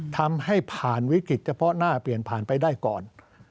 ทำให้ผ่านวิกฤตเฉพาะหน้าเปลี่ยนผ่านไปได้ก่อน